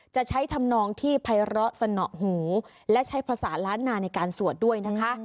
จะใช้ธรรมนองที่ไพเราะสนะหูและใช้ภาษาลาธนาในการสวดด้วย